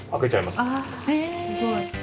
すごい。